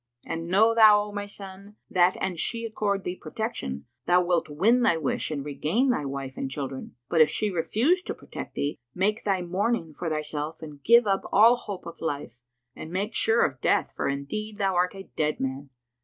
And know thou, O my son, that an she accord thee protection, thou wilt win thy wish and regain thy wife and children; but, if she refuse to protect thee, make thy mourning for thyself and give up all hope of life, and make sure of death for indeed thou art a dead man.